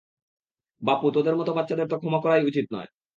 বাপু, তোদের মত বাচ্চাদের তো ক্ষমা করাই উচিত নয়।